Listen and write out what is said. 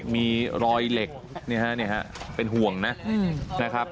มีรอยเหล็กเป็นห่วงนะครับ